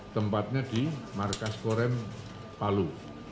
tempatnya di markas korem palu